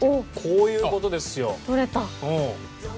こういう事ですよ。